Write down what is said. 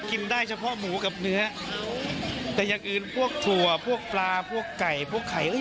กินได้เฉพาะหมูกับเนื้อแต่อย่างอื่นพวกถั่วพวกปลาพวกไก่พวกไข่เอ้ย